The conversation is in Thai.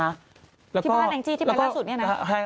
ที่บ้านแองจี้ที่ไปล่าสุดเนี่ยนะ